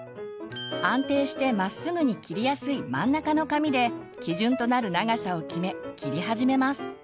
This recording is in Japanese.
安定してまっすぐに切りやすい真ん中の髪で基準となる長さを決め切り始めます。